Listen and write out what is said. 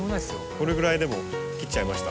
これぐらいでも切っちゃいました。